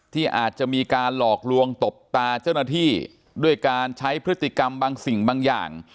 ที่อาจจะมีการหลอกลวงตบตาเจ้าหน้าที่ด้วยการใช้พฤติกรรมบางสิ่งบางอย่าง